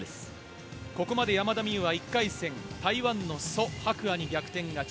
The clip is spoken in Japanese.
ここまで山田美諭は１回戦台湾のソ・ハクアに逆転勝ち。